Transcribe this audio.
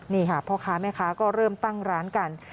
นี่ค่ะเพราะคะไม่คะก็เริ่มตั้งร้านกัน